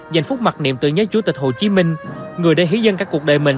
giành phúc mặt niệm tự nhớ chủ tịch hồ chí minh người đã hí dân các cuộc đời mình